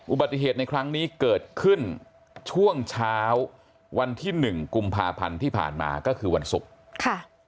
อุบัติเหตุในครั้งนี้เกิดขึ้นช่วงเช้าวันที่หนึ่งกุมภาพันธ์ที่ผ่านมาก็คือวันศุกร์ค่ะ